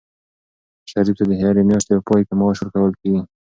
شریف ته د هرې میاشتې په پای کې معاش ورکول کېږي.